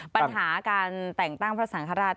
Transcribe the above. ปัญหาการแต่งตั้งพระสังฆราช